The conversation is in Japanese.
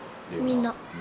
みんな。